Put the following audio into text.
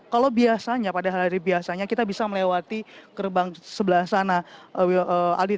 kalau biasanya padahal dari biasanya kita bisa melewati kerbang sebelah sana aldi